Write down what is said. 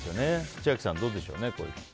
千秋さん、どうでしょう。